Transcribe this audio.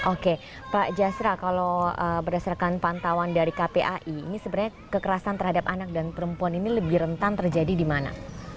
oke pak jasra kalau berdasarkan pantauan dari kpai ini sebenarnya kekerasan terhadap anak dan perempuan ini lebih rentan terjadi di mana